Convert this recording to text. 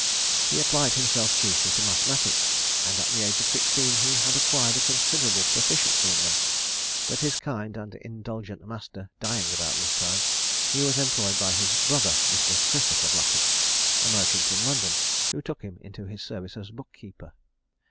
He applied himself chiefly to mathematics, and at the age of sixteen he had acquired a considerable proficiency in them; but his kind and indulgent master dying about this time, he was employed by his brother, Mr. Christopher Blackett, a merchant in London, who took him into his service as book keeper.